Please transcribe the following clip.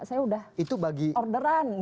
saya udah orderan gitu